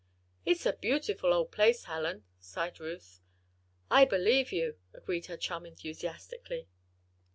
"It's a beautiful old place, Helen," sighed Ruth. "I believe you!" agreed her chum, enthusiastically.